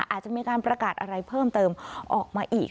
อาจจะมีการประกาศอะไรเพิ่มเติมออกมาอีก